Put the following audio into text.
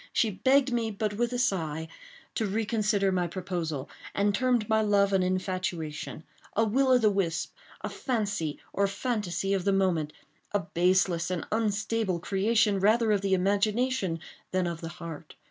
She begged me, but with a sigh, to reconsider my proposal, and termed my love an infatuation—a will o' the wisp—a fancy or fantasy of the moment—a baseless and unstable creation rather of the imagination than of the heart.